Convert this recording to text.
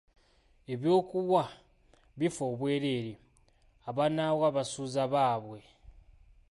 Eby'okuwa bifa obwereere, Abanaawa baasuuza Bbaabwe!